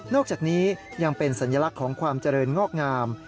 จากนี้ยังเป็นสัญลักษณ์ของความเจริญงอกงาม